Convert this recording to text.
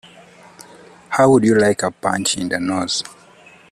How would you like a punch in the nose?